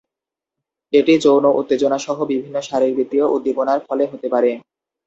এটি যৌন উত্তেজনা সহ বিভিন্ন শারীরবৃত্তীয় উদ্দীপনার ফলে হতে পারে।